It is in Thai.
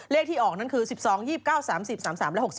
ที่ออกนั่นคือ๑๒๒๙๓๐๓๓และ๖๔